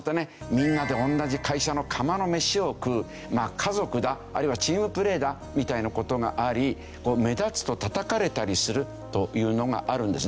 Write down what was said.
みんなで同じ会社の釜の飯を食う家族だあるいはチームプレーだみたいな事があり目立つとたたかれたりするというのがあるんですね。